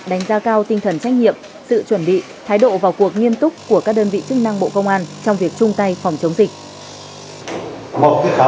đánh giá cao tinh thần trách nhiệm sự chuẩn bị thái độ vào cuộc nghiêm túc của các đơn vị chức năng bộ công an trong việc chung tay phòng chống dịch